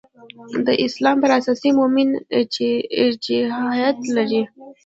د اسلام پر اساس مومن ارجحیت لري.